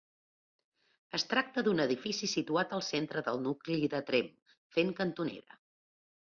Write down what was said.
Es tracta d'un edifici situat al centre del nucli de Tremp, fent cantonera.